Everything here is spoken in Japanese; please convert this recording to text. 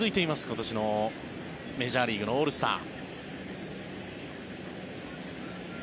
今年のメジャーリーグのオールスター。